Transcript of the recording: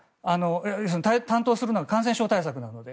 担当するのが感染症対策なので。